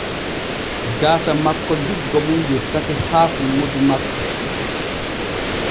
Gaasa makko juggo mum yottake haa funŋudu makko.